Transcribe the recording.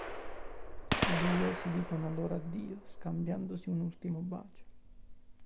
I due si dicono allora addio, scambiandosi un ultimo bacio.